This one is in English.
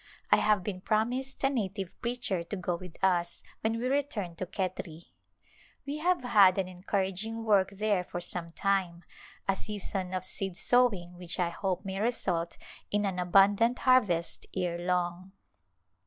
I have been promised a native preacher to go with us when we return to Khetri. We have had an encouraging work there for some time, a season of seed sowing which I hope may result in an abundant harvest ere long.